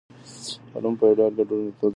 علومو یو ډول ګډ میتود درلود.